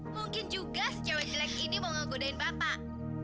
mungkin juga sejauh jelek ini mau menggodain bapak